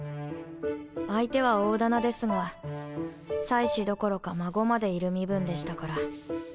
相手は大店ですが妻子どころか孫までいる身分でしたから。